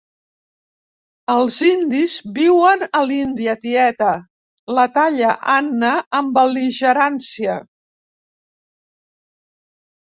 Els indis viuen a l'Índia, tieta —la talla Anna, amb bel·ligerància—.